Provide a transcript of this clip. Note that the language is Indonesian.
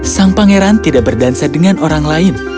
sang pangeran tidak berdansa dengan orang lain